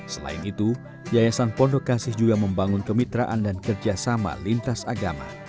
selain itu yayasan pondok kasih juga membangun kemitraan dan kerjasama lintas agama